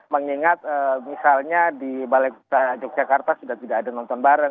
mengingat misalnya di balai kota yogyakarta sudah tidak ada nonton bareng